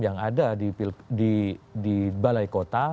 yang ada di balai kota